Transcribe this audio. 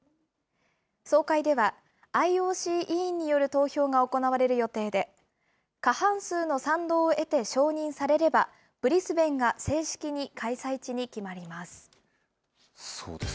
総会では、ＩＯＣ委員による投票が行われる予定で、過半数の賛同を得て承認されれば、ブリスベンが正式に開催地に決まります。